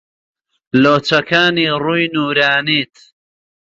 لۆچەکانی ڕووی نوورانیت